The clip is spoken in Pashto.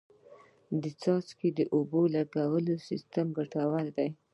د څاڅکي اوبو لګولو سیستم ګټور دی.